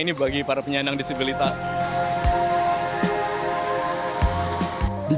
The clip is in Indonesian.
istimewa ini bagi penyandang yang disik seribu sembilan ratus sembilan puluh enam